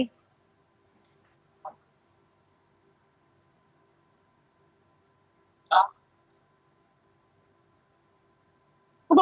tutup berapa pak